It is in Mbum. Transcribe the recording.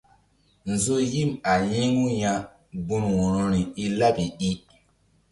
Nzo yim a yi̧ŋu ya gun wo̧rori i laɓi i.